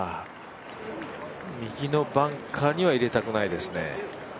右のバンカーには入れたくないですね。